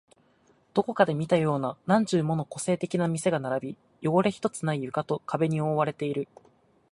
どこかで見たような何十もの個性的な店が並び、汚れ一つない床と壁に覆われている